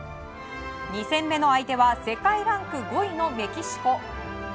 ２戦目の相手は世界ランク５位のメキシコ。